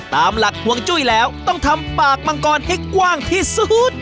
ตามหลักห่วงจุ้ยแล้วต้องทำปากมังกรให้กว้างที่สุด